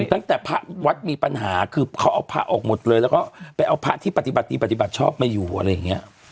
ตั้งแต่พระวัดมีปัญหาคือเขาเอาพระออกหมดเลยแล้วก็ไปเอาพระที่ปฏิบัติชอบมาอยู่อะไรอย่างนี้